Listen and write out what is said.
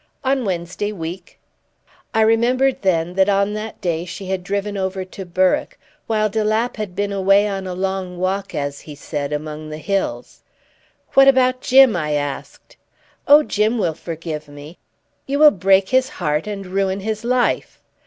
"On Wednesday week." I remembered then that on that day she had driven over to Berwick, while de Lapp had been away on a long walk, as he said, among the hills. "What about Jim?" I asked. "Oh, Jim will forgive me!" "You will break his heart and ruin his life."